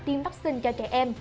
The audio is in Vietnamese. tiêm vaccine cho trẻ em